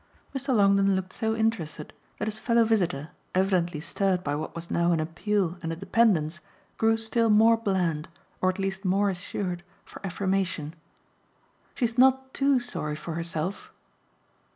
Mr. Longdon looked so interested that his fellow visitor, evidently stirred by what was now an appeal and a dependence, grew still more bland, or at least more assured, for affirmation. "She's not TOO sorry for herself."